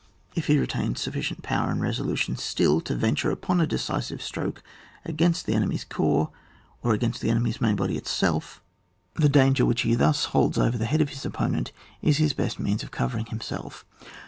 If he retains sufficient power and resolution still to venture a decisive stroke against one of the enemy's corps, or against the enemy's main body itself, CHAP. XVII.] ATTACK OF FORTRESSES. 23 the danger wliicli be thus holds over the head of his opponent is his best means of cohering himself.